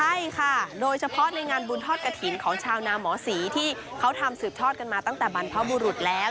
ใช่ค่ะโดยเฉพาะในงานบุญทอดกระถิ่นของชาวนาหมอศรีที่เขาทำสืบทอดกันมาตั้งแต่บรรพบุรุษแล้ว